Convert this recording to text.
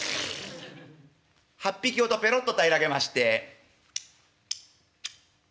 ８匹ほどぺろっと平らげまして。